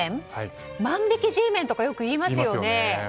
万引きＧメンとかよく言いますよね。